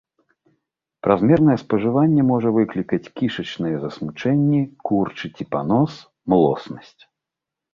Празмернае спажыванне можа выклікаць кішачныя засмучэнні, курчы ці панос, млоснасць.